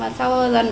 đâu cũng thấy bỡ ngỡ